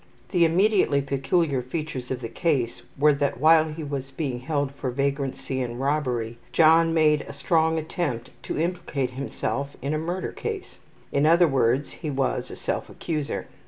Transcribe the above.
The immediately peculiar features of the case were that while he was being held for vagrancy and robbery, John made a strong attempt to implicate himself in a murder case. In other words he was a self accuser.